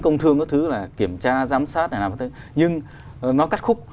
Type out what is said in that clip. nhưng nó cắt khúc